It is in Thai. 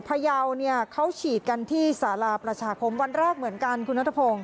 พยาวเนี่ยเขาฉีดกันที่สาราประชาคมวันแรกเหมือนกันคุณนัทพงศ